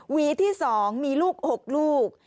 วีที่๒มีลูก๖ลูก